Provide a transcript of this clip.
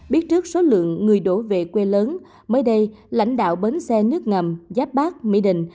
biết trước số lượng người đổ về quê lớn mới đây lãnh đạo bến xe nước ngầm giáp bát mỹ đình